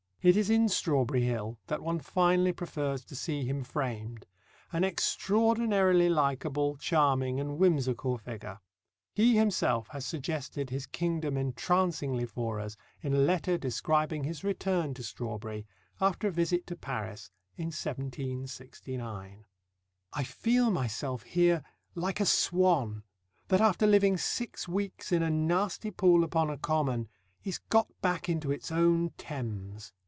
It is in Strawberry Hill that one finally prefers to see him framed, an extraordinarily likeable, charming, and whimsical figure. He himself has suggested his kingdom entrancingly for us in a letter describing his return to Strawberry after a visit to Paris in 1769: I feel myself here like a swan, that after living six weeks in a nasty pool upon a common, is got back into its own Thames.